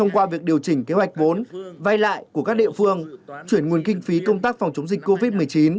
qua việc điều chỉnh kế hoạch vốn vay lại của các địa phương chuyển nguồn kinh phí công tác phòng chống dịch covid một mươi chín